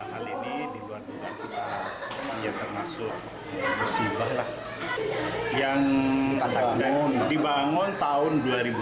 hal ini dibuat oleh kita yang termasuk musibah yang dibangun tahun dua ribu dua